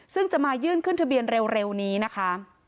ซึ่งจะมายื่นขึ้นทะเบียนเร็วนี้นะคะ